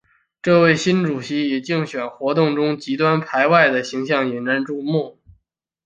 这位新主席以竞选活动中极端排外的形象引人注目。